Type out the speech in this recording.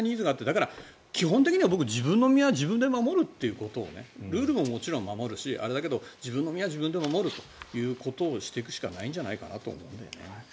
だから、基本的には僕は自分の身は自分で守るということをルールももちろん守るし自分の身は自分で守るということをしていかなくちゃいけないと思いますね。